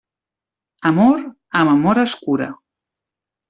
Amor, amb amor es cura.